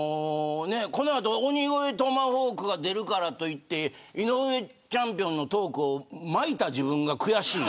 この後、鬼越トマホークが出るからといって井上チャンピオンのトークを巻いた自分が悔しい。